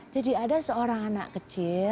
jadi ada seorang anak kecil